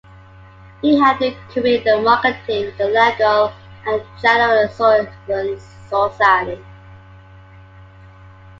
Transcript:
He had a career in marketing with the Legal and General Assurance Society.